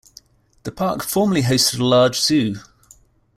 The park formerly hosted a large zoo.